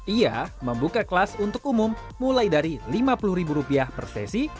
ia membuka kelas untuk umum mulai dari rp lima puluh per sesi